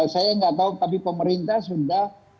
saya nggak tahu tapi pemerintah sudah